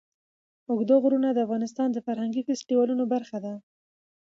اوږده غرونه د افغانستان د فرهنګي فستیوالونو برخه ده.